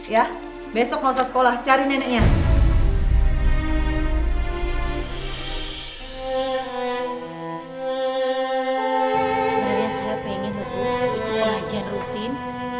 sebenarnya saya pengen ikut pelajaran rutin